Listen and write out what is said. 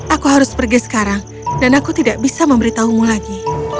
aku harus pergi sekarang dan aku tidak bisa memberitahumu lagi